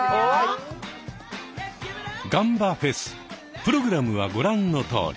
フェスプログラムはご覧のとおり。